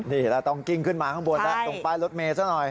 นี่เห็นแล้วตรงกลิ้งขึ้นมาข้างบนตรงป้ายรถเมฆซะหน่อย